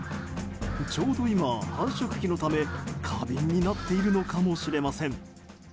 ちょうど今、繁殖期のため過敏になっているのかもしれません。